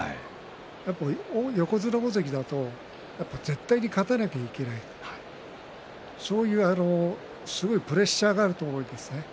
やっぱり横綱、大関だと絶対に勝たなきゃいけないそういうすごいプレッシャーがあると思うんですね。